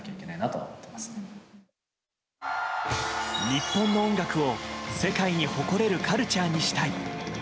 日本の音楽を世界に誇れるカルチャーにしたい。